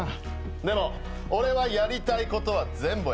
でも俺はやりたいことは全部を選ぶ。